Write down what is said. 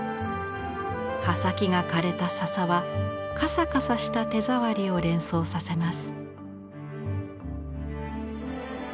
葉先が枯れた笹はカサカサした手ざわりを連想させます。